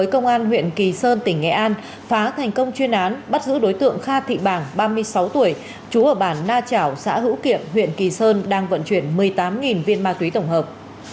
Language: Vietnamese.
công an huyện kỳ sơn tỉnh nghệ an phá thành công chuyên án bắt giữ đối tượng kha thị bàng ba mươi sáu tuổi trú ở bản na chảo xã hữu kiệm huyện kỳ sơn đang vận chuyển một mươi tám viên ma túy tổng hợp